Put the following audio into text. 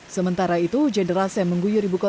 sementara itu hujan deras yang mengguyur ibu kota